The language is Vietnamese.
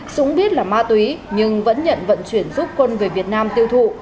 dũng biết là ma túy nhưng vẫn nhận vận chuyển giúp quân về việt nam tiêu thụ